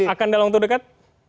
akan dalam waktu dekat